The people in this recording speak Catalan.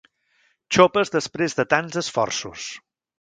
Xopes després de tants esforços.